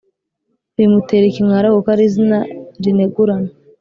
bimutera ikimwaro kuko ari izina rinegurana